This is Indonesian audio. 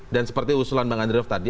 dan seperti usulan bang andriynoff tadi